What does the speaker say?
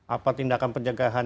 apa tindakan penjagaan